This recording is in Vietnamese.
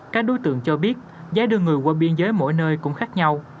các đối tượng cho biết giá đưa người qua biên giới mỗi nơi cũng khác nhau